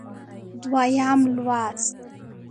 دویم لوست